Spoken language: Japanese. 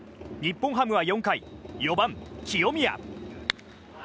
日本ハムは４回４番、清宮。